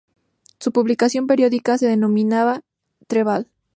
Su publicación periódica se denominaba "Treball".